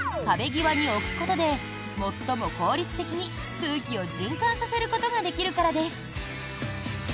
壁際に置くことで最も効率的に空気を循環させることができるからです。